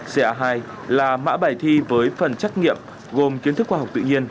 ca hai là mã bài thi với phần trắc nghiệm gồm kiến thức khoa học tự nhiên